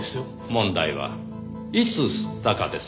問題はいつ吸ったかです。